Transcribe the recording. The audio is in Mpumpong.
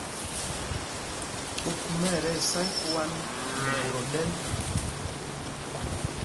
Kūkūmā ɛ tí sá íkuǎ nɛ ɓot o ɗɛ̄l.